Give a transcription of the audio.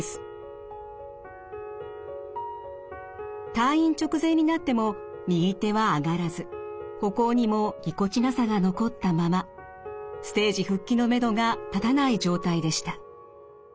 退院直前になっても右手は上がらず歩行にもぎこちなさが残ったままステージ復帰のめどが立たない状態でした。